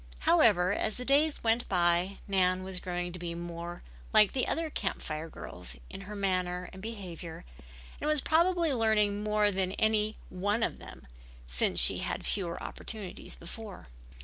However, as the days went by Nan was growing to be more like the other Camp Fire girls in her manner and behavior, and was probably learning more than any one of them, since she had had fewer opportunities before.